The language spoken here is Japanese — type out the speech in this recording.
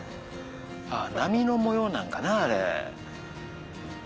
波の模様なんかなあれ。